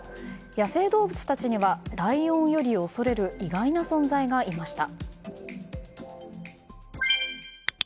野生動物たちにはライオンより恐れる意外な存在がいました。